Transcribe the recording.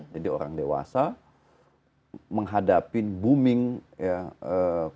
jadi orang dewasa menghadapi booming ya konten konten yang menyebabkan